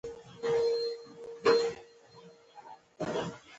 د لويې جرګې غړي د ملي شورا غړي دي.